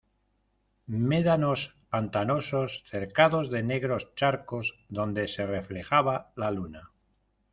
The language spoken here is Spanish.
médanos pantanosos cercados de negros charcos donde se reflejaba la luna